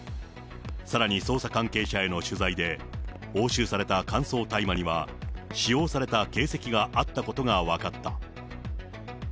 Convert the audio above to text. さらに捜査関係者への取材で、押収された乾燥大麻には、使用された形跡があったことが分かった。